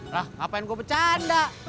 lah ngapain gue bercanda